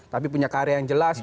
tapi punya karya yang jelas